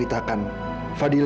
ini tas darwin